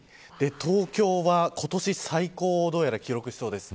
東京は今年最高をどうやら記録しそうです。